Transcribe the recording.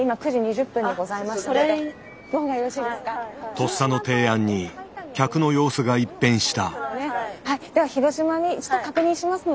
とっさの提案に客の様子が一変した。